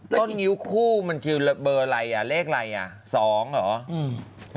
นิ้วคู่มันคือเบอร์อะไรอ่ะเลขอะไรอ่ะ๒เหรอ